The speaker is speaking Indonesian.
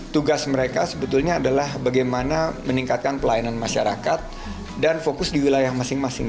tugas mereka sebetulnya adalah bagaimana meningkatkan pelayanan masyarakat dan fokus di wilayah masing masing